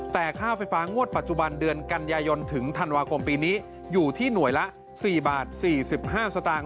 แต่ค่าไฟฟ้างวดปัจจุบันเดือนกันยายนถึงธันวาคมปีนี้อยู่ที่หน่วยละ๔บาท๔๕สตางค